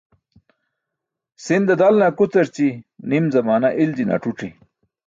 Sinda dalne akucarći, nim zamaana iljine ac̣uc̣i.